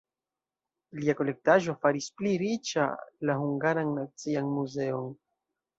Lia kolektaĵo faris pli riĉa la Hungaran Nacian Muzeon.